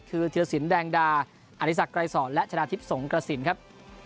คือธีรสินแดงดาอธิสักไกรสอนและชนะทิพย์สงกระสินครับ